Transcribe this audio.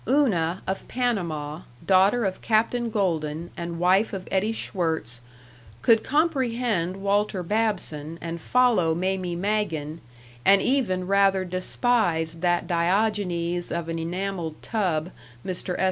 Una, of Panama, daughter of Captain Golden, and wife of Eddie Schwirtz, could comprehend Walter Babson and follow Mamie Magen, and even rather despised that Diogenes of an enameled tub, Mr. S.